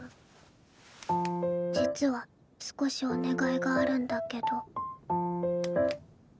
実は少しお願いがあるんだけど。